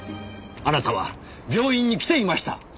あなたは病院に来ていました。